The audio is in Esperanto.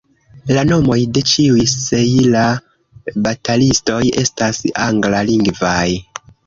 La nomoj de ĉiuj Sejla-batalistoj estas angla-lingvaj.